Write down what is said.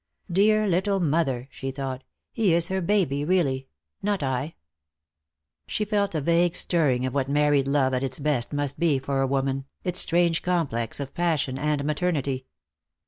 "Dear little mother," she thought, "he is her baby, really. Not I." She felt a vague stirring of what married love at its best must be for a woman, its strange complex of passion and maternity.